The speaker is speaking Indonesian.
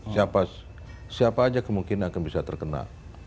siapa saja mungkin akan bisa terkena